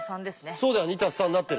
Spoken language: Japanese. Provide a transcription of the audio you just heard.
そうだよ「２＋３」になってるね。